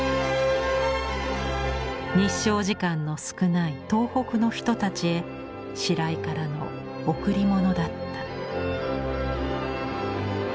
日照時間の少ない東北の人たちへ白井からの贈り物だった。